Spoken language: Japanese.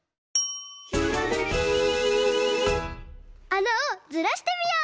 「ひらめき」あなをずらしてみよう！